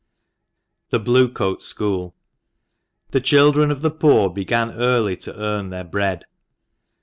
THE BLUE COAT SCHOOL. HE children of the poor begin early to earn their bread.